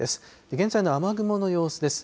現在の雨雲の様子です。